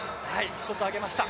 １つ上げました。